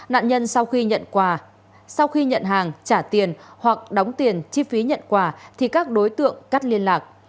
nạn nhân sau khi nhận hàng trả tiền hoặc đóng tiền chi phí nhận quà thì các đối tượng cắt liên lạc